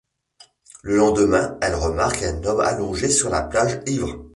Le lendemain, elle remarque un homme allongé sur la plage, ivre.